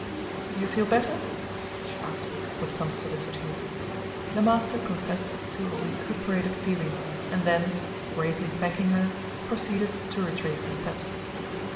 "Do you feel better?" she asked, with some solicitude. The master confessed to a recuperated feeling, and then, gravely thanking her, proceeded to retrace his steps.